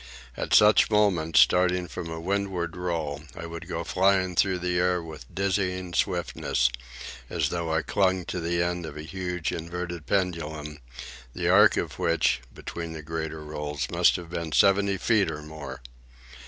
At such moments, starting from a windward roll, I would go flying through the air with dizzying swiftness, as though I clung to the end of a huge, inverted pendulum, the arc of which, between the greater rolls, must have been seventy feet or more.